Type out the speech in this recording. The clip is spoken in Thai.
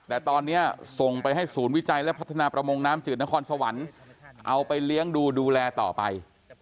แต่ตอนนี้ส่งไปให้ศูนย์วิจัยและพัฒนาประมงน้ำจืดนครสวรรค์เอาไปเลี้ยงดูดูแลต่อไป